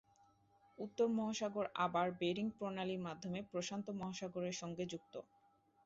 উত্তর মহাসাগর আবার বেরিং প্রণালীর মাধ্যমে প্রশান্ত মহাসাগরের সঙ্গে যুক্ত।